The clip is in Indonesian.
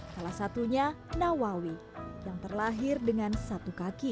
salah satunya nawawi yang terlahir dengan satu kaki